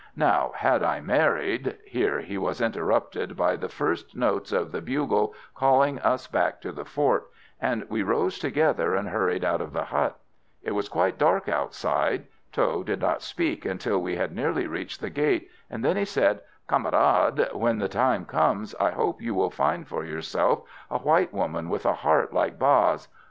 Now, had I married " Here he was interrupted by the first notes of the bugle calling us back to the fort, and we rose together and hurried out of the hut. It was quite dark outside. Tho did not speak until we had nearly reached the gate, then he said: "Camarade, when the time comes, I hope you will find for yourself a white woman with a heart like Ba's.